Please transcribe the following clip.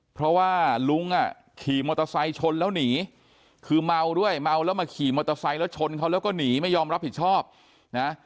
เพราะว่าลุงอ่ะขี่มอเตอร์ไซค์ชนแล้วหนีคือเมาด้วยเมาแล้วมาขี่มอเตอร์ไซค์แล้วชนเขาแล้วก็หนีไม่ยอมรับผิดชอบนะ